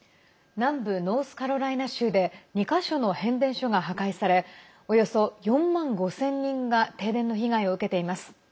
南部ノースカロライナ州で２か所の変電所が破壊されおよそ４万５０００人が停電の被害を受けています。